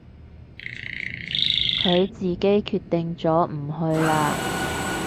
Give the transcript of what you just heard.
佢自己決定咗唔去啦